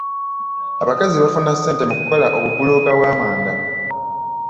Abakazi bafuna ssente mu kukola obubulooka bw'amanda.